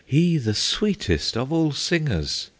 He the sweetest of all singers!